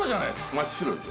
真っ白です。